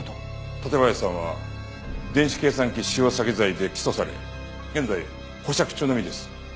館林さんは電子計算機使用詐欺罪で起訴され現在保釈中の身です。